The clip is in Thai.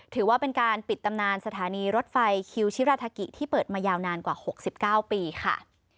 ถือว่าเป็นการปิดตำนานสถานีรถไฟคิวชิราทากิที่เปิดมายาวนานกว่า๖๙ปีค่ะ